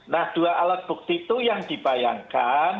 nah dua alat bukti itu yang dibayangkan